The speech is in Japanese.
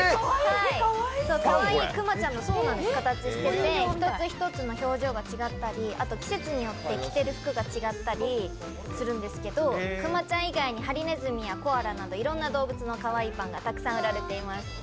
かわいい熊ちゃんの形してて、一つ一つ表情が違ったり季節によって着ている服が違ったりするんですけど熊ちゃん以外に、はりねずみやコアラなど、かわいいパンがたくさん売られています。